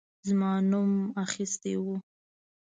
زما نوم اخیستی وو.